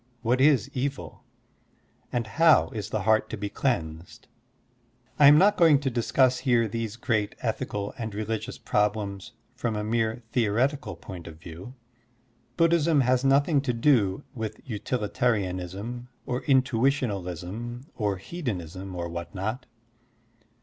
What is evil? And how is the heart to be cleansed? I am not going to discuss here these great ethical and religious problems from a mere theoretical point of view. Buddhism has nothing to do with utilitarianism or intuitionalism or hedonism or what not.